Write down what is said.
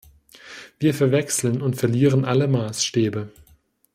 Wir verwechseln und verlieren alle Maßstäbe.